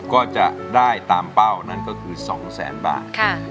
ก็จะได้ตามเป้านั่นก็คือ๒แสนบาท